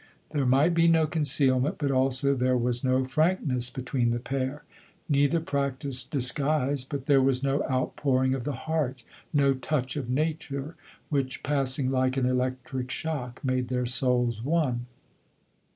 There might be no concealment, but also there was no frankness between the pair. Neither practised disguise, but there was no outpouring 11G LODORE. of the heart — no *' touch of nature," which, passing like an electric shock, made their souls one.